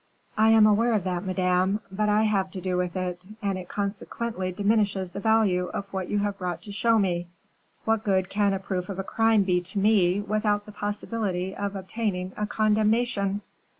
"I am aware of that, madame; but I have to do with it, and it consequently diminishes the value of what you have brought to show me. What good can a proof of a crime be to me, without the possibility of obtaining a condemnation?"